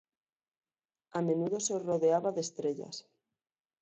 A menudo se rodeaba de estrellas.